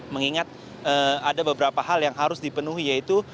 mengingat ada beberapa hal yang harus dipenuhi yaitu